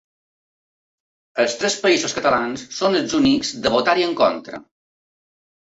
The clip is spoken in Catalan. Els tres països catalans són els únics de votar-hi en contra.